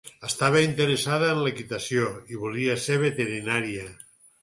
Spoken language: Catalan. Estava interessada en equitació, i volia ser veterinària.